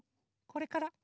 これから。